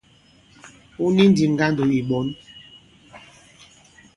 Wu ni ndī ŋgandò ì ɓɔ̌n.